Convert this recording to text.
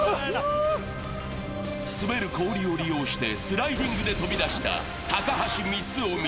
滑る氷を利用してスライディングで飛び出した高橋光臣。